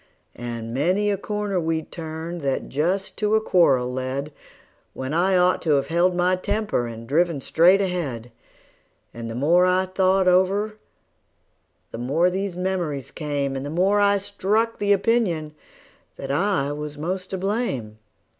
And many a corner we'd turned that just to a quarrel led, When I ought to 've held my temper, and driven straight ahead; And the more I thought it over the more these memories came, And the more I struck the opinion that I was the most to blame.